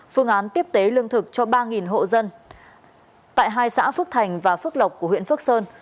phương án tiếp tế lương thực cho ba hộ dân tại hai xã phước thành và phước lộc của huyện phước sơn